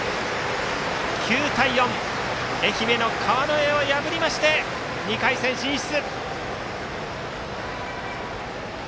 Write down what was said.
９対４愛媛の川之江を破りまして２回戦進出！